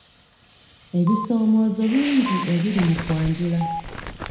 Ebisoomoozo bingi ebiri mu kwanjula.